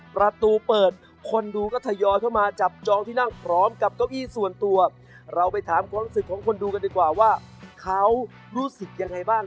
ประตูเปิดคนดูก็ทยอยเข้ามาจับจองที่นั่งพร้อมกับเก้าอี้ส่วนตัวเราไปถามความรู้สึกของคนดูกันดีกว่าว่าเขารู้สึกยังไงบ้าง